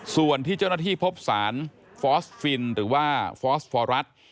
ส่วนที่เจ้าหน้าที่พบสารฟอสฟินหรือว่าฟอสฟอรัส